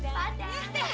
terima kasih ya